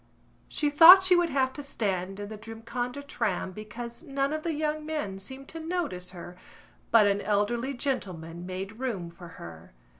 She thought she would have to stand in the Drumcondra tram because none of the young men seemed to notice her but an elderly gentleman made room for her.